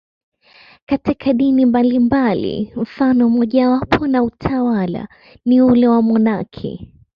Katika dini mbalimbali, mfano mmojawapo wa utawa ni ule wa wamonaki.